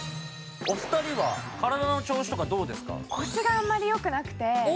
お二人は体の調子とかどうですか？